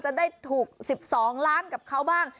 จะได้ถูก๑๒ล้านกับเขาบ้าง